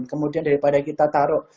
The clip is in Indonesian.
kemudian daripada kita taruh